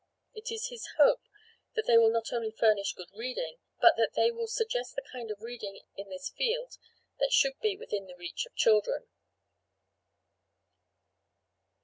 It is his hope that they will not only furnish good reading, but that they will suggest the kind of reading in this field that should be within the reach of children.